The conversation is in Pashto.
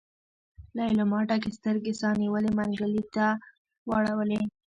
ليلما ډکې سترګې سا نيولي منګلي ته واړولې.